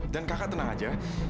dan kaka tenang aja